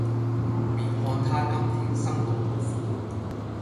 別看他今天生龍活虎